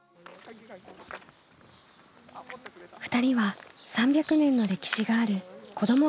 ２人は３００年の歴史がある子ども